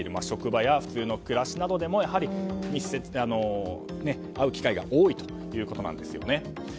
職場や普通の暮らしなどでもやはり、会う機会が多いということなんですよね。